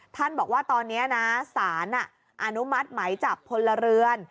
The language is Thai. บอกว่าตอนนี้นะสารอนุมัติไหมจับพลเรือน